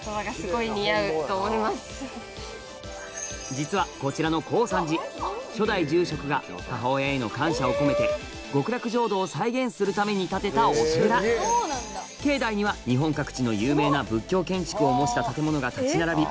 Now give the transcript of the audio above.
実はこちらの耕三寺初代住職が母親への感謝を込めて極楽浄土を再現するために建てたお寺境内には日本各地の有名な仏教建築を模した建物が立ち並び